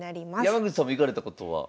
山口さんも行かれたことは？